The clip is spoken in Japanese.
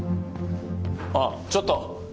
あっちょっと！